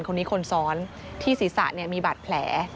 คนนี้คนซ้อนที่ศีรษะมีบาดแผล